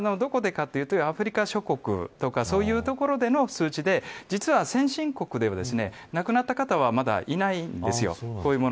これは、どこでかというとアフリカ諸国とかそういう所での数値で実は、先進国では亡くなった方はまだいないんですよ。